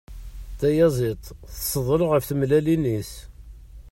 Tayaziḍt tezdel ɣef tmellalin-is.